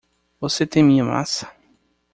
Você tem minha massa?